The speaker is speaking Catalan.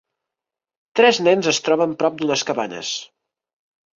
Tres nens es troben prop d'unes cabanes.